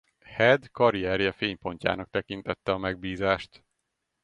Head karrierje fénypontjának tekintette a megbízást.